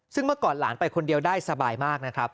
ซึ่งเมื่อก่อนหลานไปคนเดียวได้สบายมากนะครับ